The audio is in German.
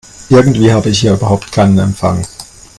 Irgendwie habe ich hier überhaupt keinen Empfang.